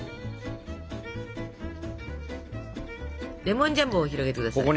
レモンジャムを広げて下さい。